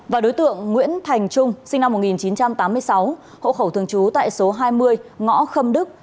và đối tượng nguyễn thành trung sinh năm một nghìn chín trăm tám mươi sáu hộ khẩu thường trú tại số hai mươi ngõ khâm đức